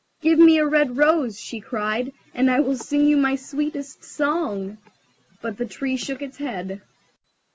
"Give me a red rose," she cried, "and I will sing you my sweetest song." But the Tree shook its head.